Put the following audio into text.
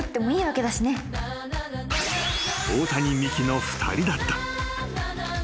［大谷美樹の２人だった］